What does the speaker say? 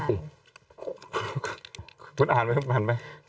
ตุ๊ดอาณไหมปานไหม